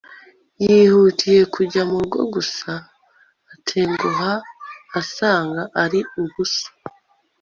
yihutiye kujya mu rugo gusa atenguha asanga ari ubusa